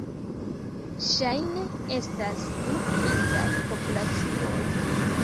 Ŝajne estas du disaj populacioj.